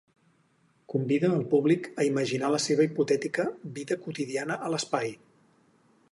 Convida al públic a imaginar la seva hipotètica vida quotidiana a l'espai.